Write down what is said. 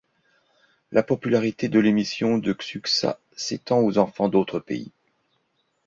La popularité de l’émission de Xuxa s'étend aux enfants d'autres pays.